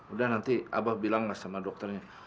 udah nanti abah bilang sama dokternya